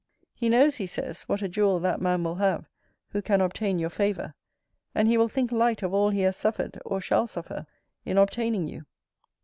He knows, he says, what a jewel that man will have, who can obtain your favour; and he will think light of all he has suffered, or shall suffer, in obtaining you.